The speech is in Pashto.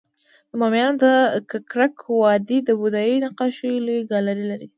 د بامیانو د ککرک وادی د بودایي نقاشیو لوی ګالري لري